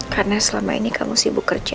karena selama ini kamu sibuk kerja